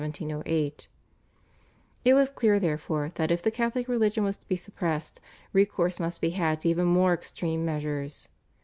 It was clear, therefore, that if the Catholic religion was to be suppressed recourse must be had to even more extreme measures.